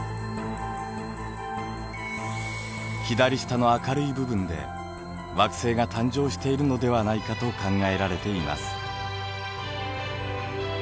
左下の明るい部分で惑星が誕生しているのではないかと考えられています。